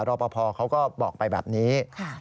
รอปภเขาก็บอกไปแบบนี้